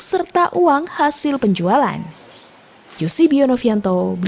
serta uang hasil penjualan